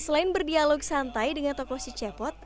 selain berdialog santai dengan tokoh si cepot